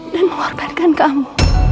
dan mengorbankan kamu